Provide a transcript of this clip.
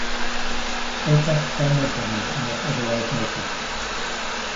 All tracks by Mudhoney unless otherwise noted.